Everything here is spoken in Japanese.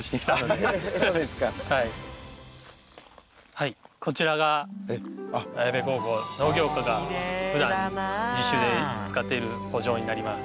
はいこちらが綾部高校農業科がふだん実習で使っている圃場になります。